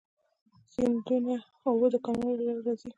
د سیندونو اوبه د کانالونو له لارې راځي.